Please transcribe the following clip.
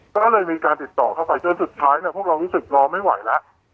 ก็เลยมีการติดต่อเข้าไปเจนสุดท้ายพวกเราริสุขร่องไม่ไหวแล้ว